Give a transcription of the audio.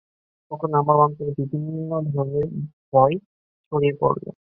তখন আমার অন্তরে বিভিন্ন ধরনের ভয় ছড়িয়ে পড়ল।